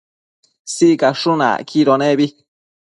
Sicashun acquido nebi